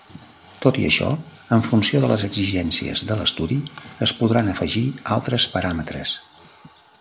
Tot i això, en funció de les exigències de l’estudi, es podran afegir altres paràmetres.